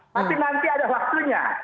tapi nanti ada waktunya